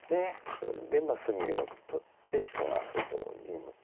これでも隅を取って白が外に。